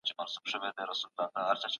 پرمختللي هېوادونه په څېړنو کي ډېري پیسې لګوي.